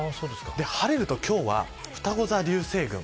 晴れると今日はふたご座流星群。